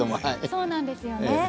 そうなんですよね。